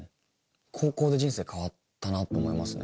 高校で人生変わったなと思いますね。